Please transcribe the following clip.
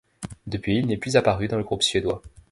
Depuis, il n'est plus apparu dans le groupe suédois.